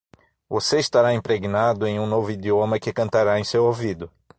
Você estará impregnado em um novo idioma que cantará em seu ouvido.